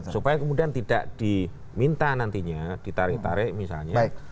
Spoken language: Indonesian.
supaya kemudian tidak diminta nantinya ditarik tarik misalnya